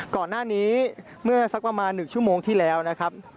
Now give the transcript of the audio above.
ก่อนหน้านี้เมื่อสักประมาณ๑ชั่วโมงที่แล้วนะครับ